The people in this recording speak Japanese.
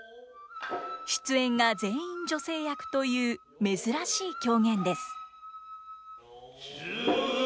出演が全員女性役という珍しい狂言です。